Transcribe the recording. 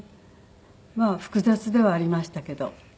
まあ複雑ではありましたけど。